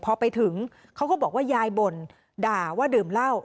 พอไปถึงเขาก็บอกว่ายายบ่นด่าว่าดื่มเหล้า